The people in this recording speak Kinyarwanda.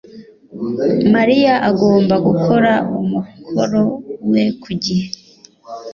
Mariya agomba gukora umukoro we ku gihe